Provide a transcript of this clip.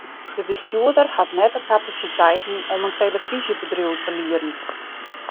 De bestjoerder hat net de kapasiteiten om in telefyzjebedriuw te lieden.